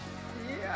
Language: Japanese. いや。